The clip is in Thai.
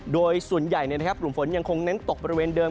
โดยส่วนใหญ่กลุ่มฝนยังคงเน้นตกบริเวณเดิม